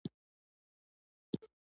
اهل سنت هر ډول حاکمیت ته غاړه ږدي